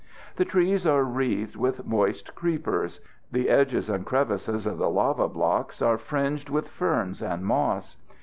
The trees are wreathed with moist creepers; the edges and crevices of the lava blocks are fringed with ferns and moss.